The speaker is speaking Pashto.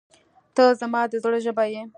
• ته زما د زړه ژبه یې.